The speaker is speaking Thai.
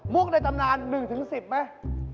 กในตำนาน๑๑๐ไหม